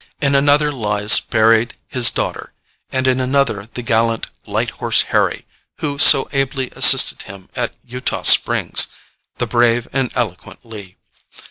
In another lies buried his daughter, and in another the gallant "Light Horse Harry," who so ably assisted him at Eutaw Springs the brave and eloquent Lee.